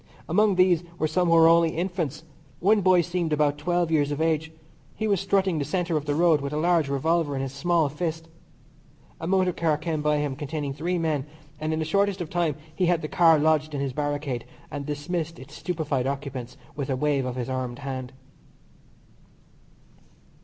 Among these were some who were only infants one boy seemed about twelve years of age. He was strutting the centre of the road with a large revolver in his small fist. A motor car came by him containing three men, and in the shortest of time he had the car lodged in his barricade, and dismissed its stupified occupants with a wave of his armed hand.